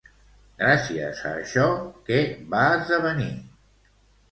Gràcies a això, què va esdevenir?